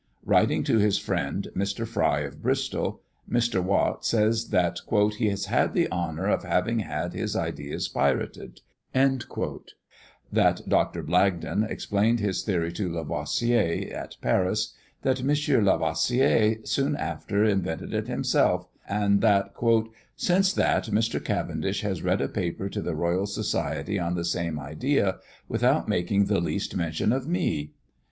Writing to his friend, Mr. Fry of Bristol, Mr. Watt says, that "he has had the honour of having had his ideas pirated;" that Dr. Blagden explained his theory to Lavoisier, at Paris; that M. Lavoisier soon after invented it himself; and that "since that, Mr. Cavendish has read a paper to the Royal Society on the same idea, without making the least mention of me."